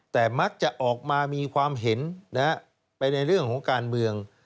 แต่มักจะออกมามีความเห็นไปในเรื่องของการเมือง